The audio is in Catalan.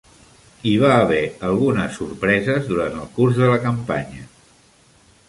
Hi va haver algunes sorpreses durant el curs de la campanya.